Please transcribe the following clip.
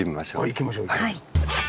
行きましょう。